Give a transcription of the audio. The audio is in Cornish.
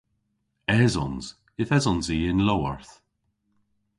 Esons. Yth esons i y'n lowarth.